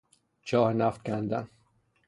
چاه نفت کندن